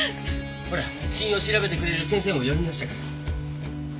ほら死因を調べてくれる先生も呼びましたから。